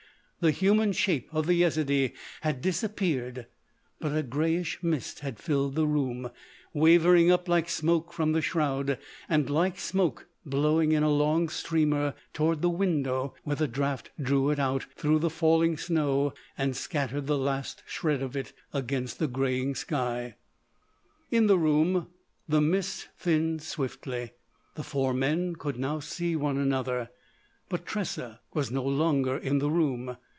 The human shape of the Yezidee had disappeared; but a greyish mist had filled the room, wavering up like smoke from the shroud, and, like smoke, blowing in a long streamer toward the window where the draught drew it out through the falling snow and scattered the last shred of it against the greying sky. In the room the mist thinned swiftly; the four men could now see one another. But Tressa was no longer in the room.